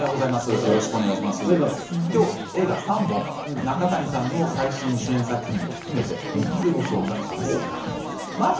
映画を３本中谷さんの最新主演作品も含めてご紹介します。